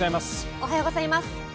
おはようございます。